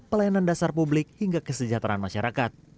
pelayanan dasar publik hingga kesejahteraan masyarakat